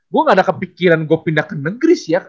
gue gak ada kepikiran gue pindah ke negeri sih ya